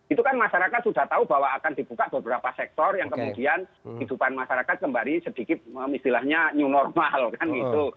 itu kan masyarakat sudah tahu bahwa akan dibuka beberapa sektor yang kemudian hidupan masyarakat kembali sedikit istilahnya new normal kan gitu